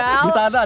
buat di tanah iqbal